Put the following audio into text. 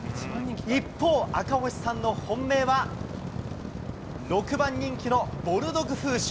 一方、赤星さんの本命は、６番人気のボルドグフーシュ。